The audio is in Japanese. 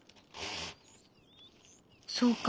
そうか。